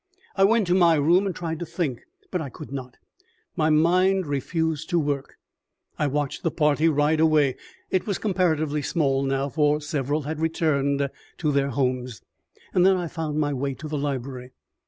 I went to my room and tried to think, but I could not. My mind refused to work. I watched the party ride away it was comparatively small now, for several had returned to their homes and then I found my way to the library.